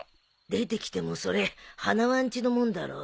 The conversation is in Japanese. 出てきてもそれ花輪んちのもんだろ。